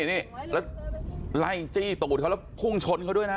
นี่แล้วไล่จี้ตูดเขาแล้วพุ่งชนเขาด้วยนะ